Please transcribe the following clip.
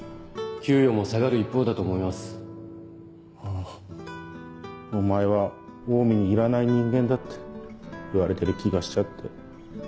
給与も下がる一方だと思いまお前はオウミにいらない人間だって言われてる気がしちゃって。